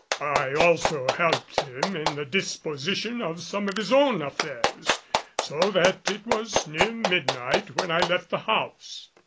I also helped him in the disposition of some of his own affairs, so that it was near midnight when I left the house.